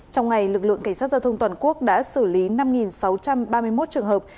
trong ngày lực lượng cảnh sát giao thông toàn quốc đã xử lý năm sáu trăm ba mươi một trường hợp